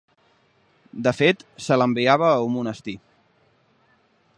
De fet, se l'enviava a un monestir.